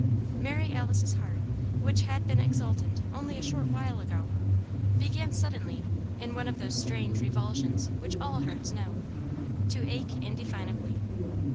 Mary Alice's heart, which had been exultant only a short while ago, began suddenly in one of those strange revulsions which all hearts know to ache indefinably.